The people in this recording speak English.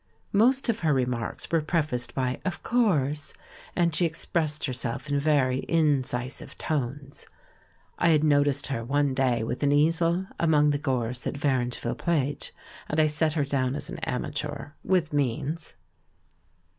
JNIost of her remarks were prefaced by "Of course," and she expressed herself in very incisive tones. I had noticed her one day with an easel among the gorse at Varangeville Plage, and I set her down as an amateur, with means.